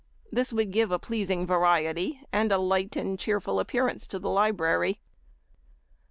This would give a pleasing variety, and a light and cheerful appearance to a library.